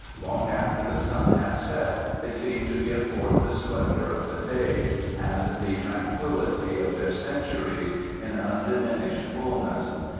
Long after the sun has set they seem to give forth the splendour of the day, and the tranquillity of their centuries, in undiminished fulness.